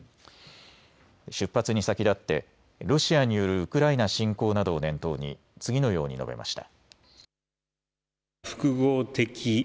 出発に先立ってロシアによるウクライナ侵攻などを念頭に次のように述べました。